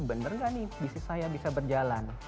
benar nggak nih bisnis saya bisa berjalan